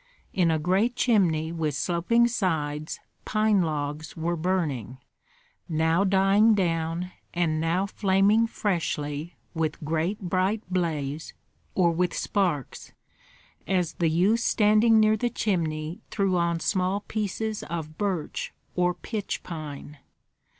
In a great chimney with sloping sides pine logs were burning, now dying down and now flaming freshly with a great bright blaze or with sparks, as the youth standing near the chimney threw on small pieces of birch or pitch pine.